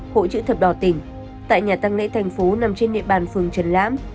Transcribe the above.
hội chữ thập đỏ tỉnh tại nhà tăng lễ thành phố nằm trên địa bàn phường trần lãm